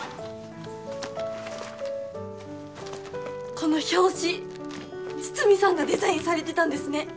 この表紙筒見さんがデザインされてたんですね？